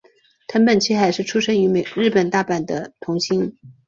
藤本七海是出身于日本大阪的童星。